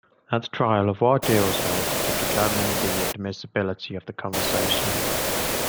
At trial, a voir dire was held to determine the admissibility of the conversation.